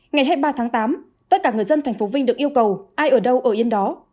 ngày hai mươi ba tháng tám tất cả người dân tp vinh được yêu cầu ai ở đâu ở yên đó